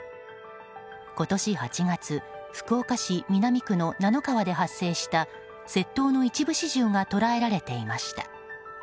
今年８月、福岡市南区の那の川で発生した窃盗の一部始終が捉えられていました。